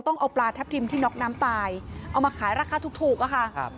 ต้องเอาปลาทับทิมที่น็อกน้ำตายเอามาขายราคาถูกอะค่ะครับ